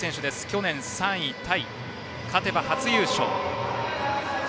去年３位タイで勝てば初優勝。